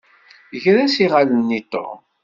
Ger-as iɣallen i Tom.